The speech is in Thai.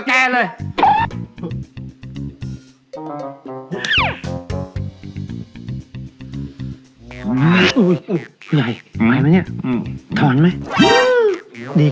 แล้วนี่ไปตามหาไอ้สิงทำไม